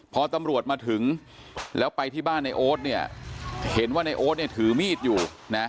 พอตำรวจมาถึงแล้วไปที่บ้านไอ้โอ๊ตเห็นว่าไอ้โอ๊ตถือมีดอยู่